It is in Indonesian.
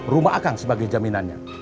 rumah akang sebagai jaminannya